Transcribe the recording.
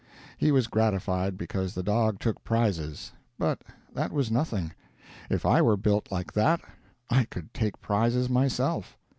He was gratified because the dog took prizes. But that was nothing; if I were built like that I could take prizes myself.